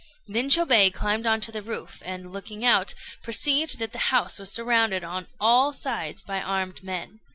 Then Chôbei climbed on to the roof, and, looking out, perceived that the house was surrounded on all sides by armed men.